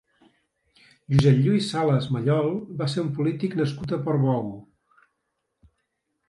Josep Lluís Salas Mallol va ser un polític nascut a Portbou.